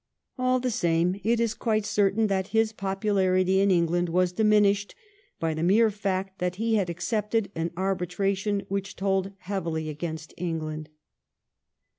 All the same it is quite certain that his popularity in England was diminished by the mere fact that he had accepted an arbitration which told heavily against England.